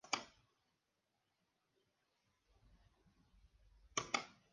Su actividad principal es el fútbol.